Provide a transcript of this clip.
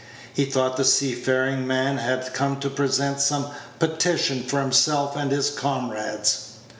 He thought the seafaring man had come to present some petition for himself and his comrades.